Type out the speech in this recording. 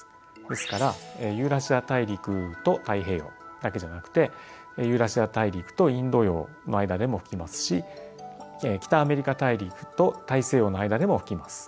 ですからユーラシア大陸と太平洋だけじゃなくてユーラシア大陸とインド洋の間でも吹きますし北アメリカ大陸と大西洋の間でも吹きます。